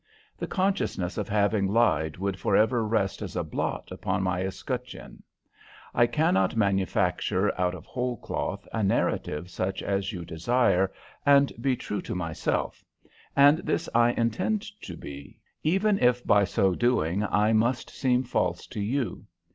The consciousness of having lied would forever rest as a blot upon my escutcheon. I cannot manufacture out of whole cloth a narrative such as you desire and be true to myself, and this I intend to be, even if by so doing I must seem false to you.